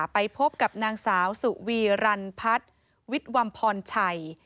ไปพบกับนางสาวสุวีรันพัฒน์วิทย์วัมพรชัย